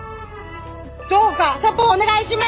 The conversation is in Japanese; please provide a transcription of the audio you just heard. そやからどうかサポートお願いします！